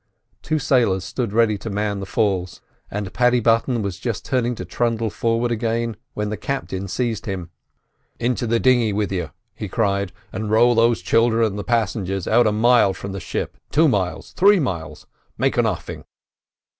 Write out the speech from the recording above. Two sailors stood ready to man the falls, and Paddy Button was just turning to trundle forward again when the captain seized him. "Into the dinghy with you," he cried, "and row these children and the passenger out a mile from the ship—two miles—three miles—make an offing."